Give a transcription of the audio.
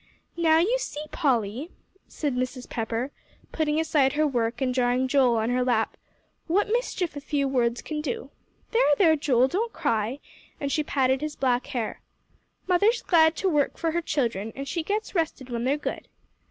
"Now you see, Polly," said Mrs. Pepper, putting aside her work and drawing Joel on her lap, "what mischief a few words can do. There, there, Joel, don't cry," and she patted his black hair. "Mother's glad to work for her children, and she gets rested when they're good."